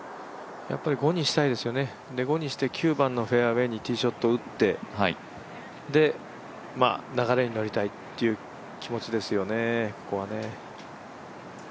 やっぱり５にして９番のフェアウエーにティーショット打って、流れに乗りたいという気持ちですよね、ここはね。